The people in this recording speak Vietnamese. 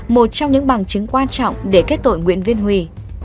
một trong những bằng chứng quan trọng để kết tội nguyễn viên huy